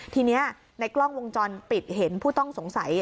ทีนี้ในกล้องวงจรปิดเห็นผู้ต้องสงสัย